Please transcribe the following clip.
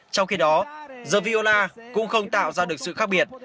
trong khi đó the viola cũng không tạo ra được sự khác biệt